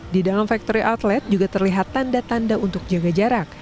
di dalam factory outlet juga terlihat tanda tanda untuk jaga jarak